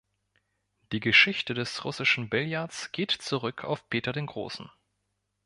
Die Geschichte des russischen Billards geht zurück auf Peter den Großen.